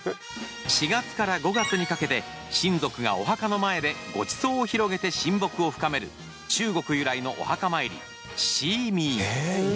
４月から５月にかけて親族がお墓の前でごちそうを広げて親睦を深める中国由来のお墓参りシーミー。